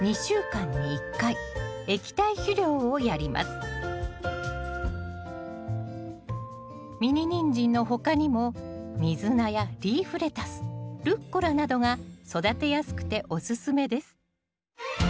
追肥はミニニンジンの他にもミズナやリーフレタスルッコラなどが育てやすくておすすめです。